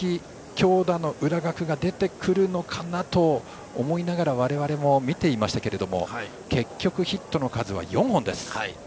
強打の浦学が出てくるのかなと思いながら我々も見ていましたが結局、ヒットの数は４本です。